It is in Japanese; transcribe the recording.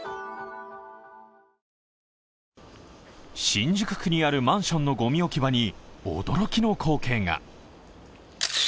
新宿区にあるマンションのごみ置き場に驚きの光景が。